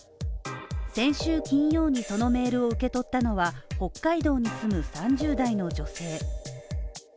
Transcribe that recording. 先週金曜にそのメールを受け取ったのは、北海道に住む３０代の女性。